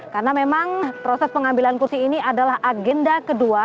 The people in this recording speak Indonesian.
karena memang proses pengambilan kursi ini adalah agenda kedua